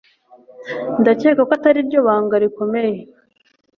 ndakeka ko atariryo banga rikomeye